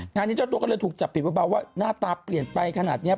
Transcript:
งานนี้เจ้าตัวก็เลยถูกจับผิดเบาว่าหน้าตาเปลี่ยนไปขนาดนี้